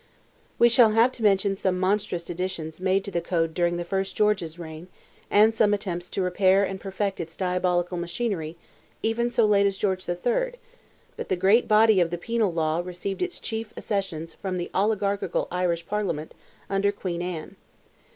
We shall have to mention some monstrous additions made to the code during the first George's reign, and some attempts to repair and perfect its diabolical machinery, even so late as George III.; but the great body of the penal law received its chief accessions from the oligarchical Irish Parliament, under Queen Anne.